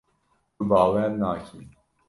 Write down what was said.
Tu bawer nakî.